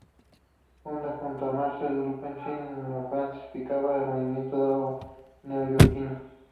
Funda, junto a Marcel Duchamp y Francis Picabia, el movimiento dadá neoyorquino.